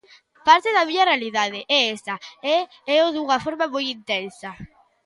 Parte da miña realidade é esa e éo dunha forma moi intensa.